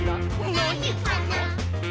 「なにかな？」